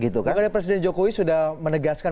bukannya presiden jokowi sudah menegaskan